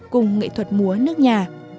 cùng nghệ thuật múa nước nhà